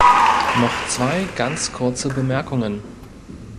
Noch zwei ganz kurze Bemerkungen.